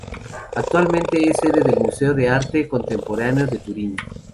Actualmente es sede del Museo de Arte Contemporáneo de Turín.